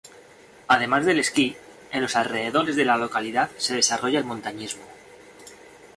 Además del esquí, en los alrededores de la localidad se desarrolla el montañismo.